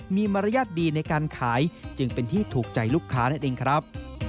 มีมารยาทดีในการขายจึงเป็นที่ถูกใจลูกค้านั่นเองครับ